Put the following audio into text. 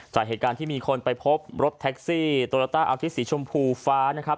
จากเหตุการณ์ที่มีคนไปพบรถแท็กซี่โตราต้าอาทิตสีชมพูฟ้านะครับ